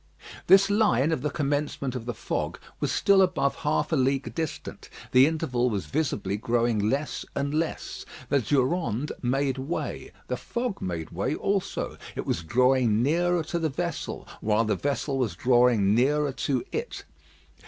This line of the commencement of the fog was still above half a league distant. The interval was visibly growing less and less. The Durande made way; the fog made way also. It was drawing nearer to the vessel, while the vessel was drawing nearer to it.